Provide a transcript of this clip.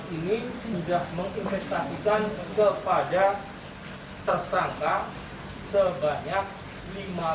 ke lima belas orang ini sudah menginvestasikan kepada tersangka sebanyak lima belas miliar